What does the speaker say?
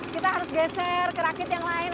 kita harus geser ke rakit yang lain